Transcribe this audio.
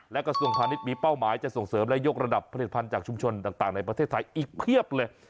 และกระทรวงพาณิชย์มีเป้าหมายจะส่งเสริมและยกระดับผลิตภัณฑ์จากชุมชนต่างในประเทศไทยอีกเพียบเลย